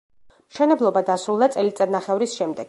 მშენებლობა დასრულდა წელიწადნახევრის შემდეგ.